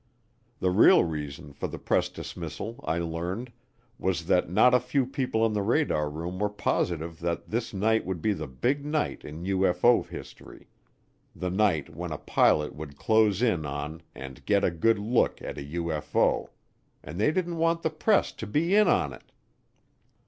The real reason for the press dismissal, I learned, was that not a few people in the radar room were positive that this night would be the big night in UFO history the night when a pilot would close in on and get a good look at a UFO and they didn't want the press to be in on it.